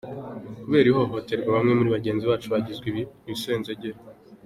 Kubera ihohoterwa bamwe muri bagenzi bacu bagizwe ibisenzegeri.